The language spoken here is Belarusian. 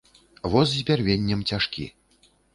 Воз з бярвеннем цяжкі.